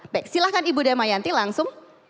baik silahkan ibu daya mayanti langsung